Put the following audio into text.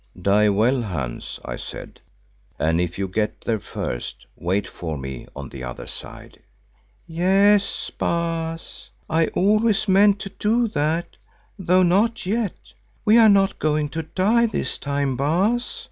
"Die well, Hans," I said, "and if you get there first, wait for me on the other side." "Yes, Baas, I always meant to do that, though not yet. We are not going to die this time, Baas.